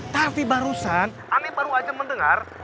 tapi barusan saya baru aja mendengar